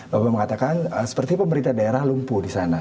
bapak bapak mengatakan seperti pemerintah daerah lumpuh di sana